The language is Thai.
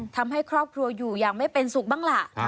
ทำให้ครอบครัวอยู่อย่างไม่เป็นสุขบ้างล่ะ